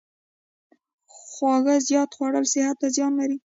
خواږه زیات خوړل صحت ته زیان لري.